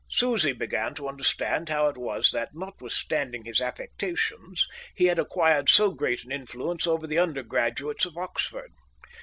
Susie began to understand how it was that, notwithstanding his affectations, he had acquired so great an influence over the undergraduates of Oxford.